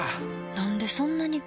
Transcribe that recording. なんでそんなに